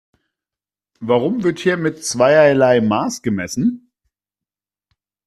Warum wird hier mit zweierlei Maß gemessen?